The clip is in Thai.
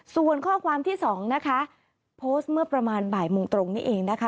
ส่วนข้อความที่สองนะคะโพสต์เมื่อประมาณบ่ายโมงตรงนี้เองนะคะ